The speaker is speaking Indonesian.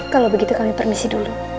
kalau begitu kami permisi dulu